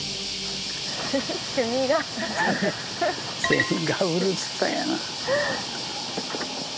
セミがうるっさいな。